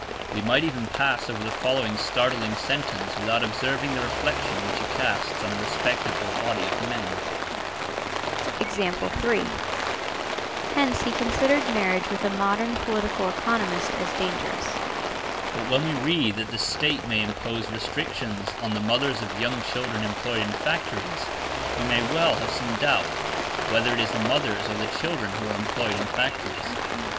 We might even pass over the following startling sentence without observing the reflection which it casts on a respectable body of men: Hence he considered marriage with a modern political economist as dangerous. But when we read that "the State may impose restrictions on the mothers of young children employed in factories," we may well have some doubt whether it is the mothers or the children who are employed in factories.